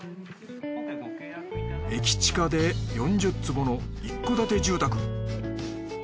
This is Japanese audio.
駅近で４０坪の一戸建て住宅。